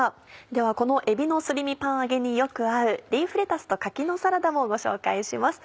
ではこのえびのすり身パン揚げによく合う「リーフレタスと柿のサラダ」もご紹介します。